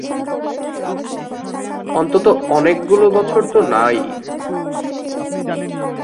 অন্তত অনেকগুলো বছর তো না ই।